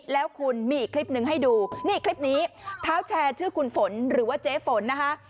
แล้วคุณมีอีกคลิปหนึ่งให้ดูนี่คลิปนี้เท้าแชร์ชื่อคุณฝนหรือว่าเจ๊ฝนนะคะ